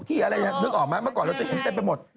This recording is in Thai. ที่อะไรนะนึกออกมั้ยเมื่อก่อนเราจะเห็นได้ไปหมด